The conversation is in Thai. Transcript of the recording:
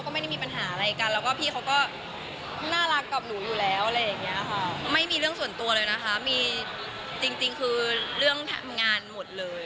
ไม่มีเรื่องส่วนตัวเลยนะคะจริงคือเรื่องงานหมดเลย